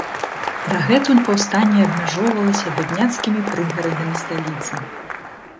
Дагэтуль паўстанне абмяжоўвалася бядняцкімі прыгарадамі сталіцы.